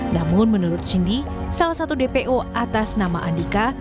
namun menurut cindy salah satu dpo atas nama andika